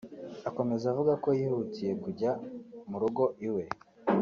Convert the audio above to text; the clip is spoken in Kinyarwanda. Akomeza avuga ko yihutiye kujya mu rugo iwe